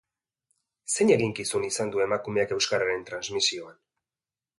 Zein eginkizun izan du emakumeak euskararen transmisioan?